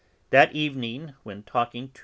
That evening, when talking to M.